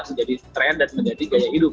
menjadi tren dan menjadi gaya hidup